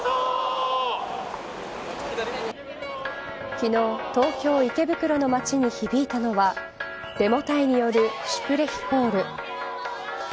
昨日、東京・池袋の街に響いたのはデモ隊によるシュプレヒコール。